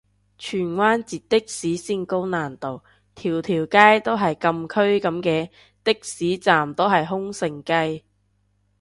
荃灣截的士先高難度，條條街都係禁區噉嘅？的士站都係空城計